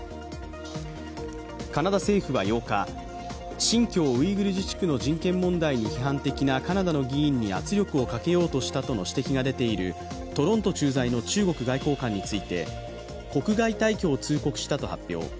カナダ政府は８日、新疆ウイグル自治区の人権問題に批判的なカナダの議員に圧力をかけようとしたとの指摘が出ているトロント駐在の中国外交官について国外退去を通告したと発表。